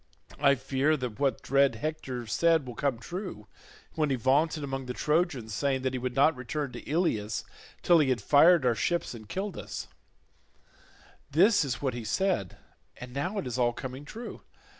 I fear that what dread Hector said will come true, when he vaunted among the Trojans saying that he would not return to Ilius till he had fired our ships and killed us; this is what he said, and now it is all coming true.